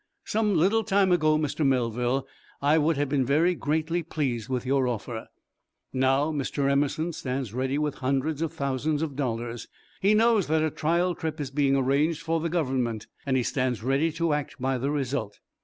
"Some little time ago, Mr. Melville, I would have been very greatly pleased with your offer. Now, Mr. Emerson stands ready with hundreds of thousands of dollars. He knows that a trial trip is being arranged for the Government, and he stands ready to act by the result.